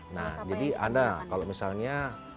nah jadi anda kalau misalnya